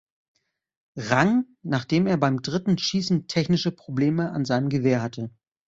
Rang, nachdem er beim dritten Schießen technische Probleme an seinem Gewehr hatte.